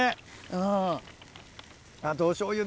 うん。